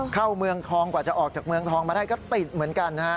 เข้าเมืองทองกว่าจะออกจากเมืองทองมาได้ก็ติดเหมือนกันนะฮะ